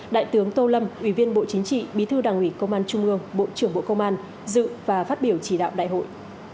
đại tướng tô lâm ủy viên bộ chính trị bí thư đảng ủy công an trung ương bộ trưởng bộ công an dự và phát biểu chỉ đạo đại hội